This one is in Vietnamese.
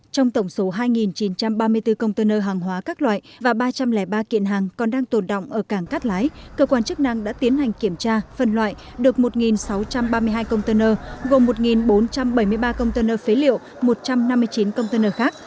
trong tổng số hai chín trăm ba mươi bốn container hàng hóa các loại và ba trăm linh ba kiện hàng còn đang tồn động ở cảng cát lái cơ quan chức năng đã tiến hành kiểm tra phần loại được một sáu trăm ba mươi hai container gồm một bốn trăm bảy mươi ba container phế liệu một trăm năm mươi chín container khác